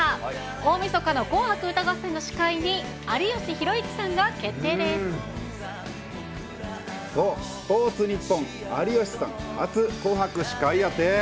大みそかの紅白歌合戦の司会に、スポーツニッポン、有吉さん初紅白司会やて。